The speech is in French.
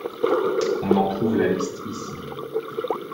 On en trouve la liste ici.